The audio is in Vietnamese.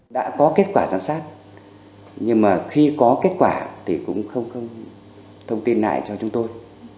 đã có kết quả giám sát nhưng mà khi có kết quả thì cũng không thông tin lại cho chúng tôi